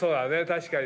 確かに。